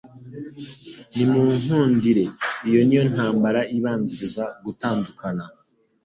ntimunkundire!" Iyo ni yo ntambara ibanziriza gutandukana.